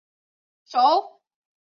手稻车站的直辖范围。